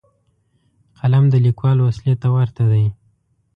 قلم د لیکوال وسلې ته ورته دی